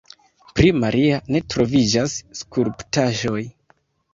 Pri Maria ne troviĝas skulptaĵoj.